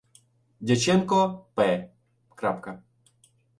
Дяченко П.